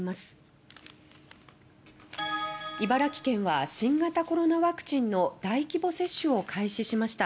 茨城県は新型コロナワクチンの大規模接種を開始しました。